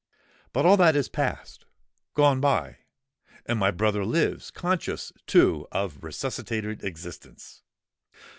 But all that is passed—gone by; and my brother lives—conscious, too, of resuscitated existence!"